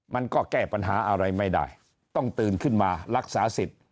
มันก็แก้ปัญหาอะไรไม่ได้ต้องตื่นขึ้นมารักษาสิทธิ์